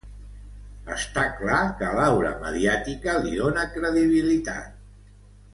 Està clar que l'aura mediàtica li dona credibilitat.